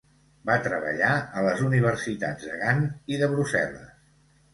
Va treballar a les Universitats de Gant i de Brussel·les.